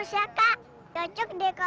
di saat kau rinduku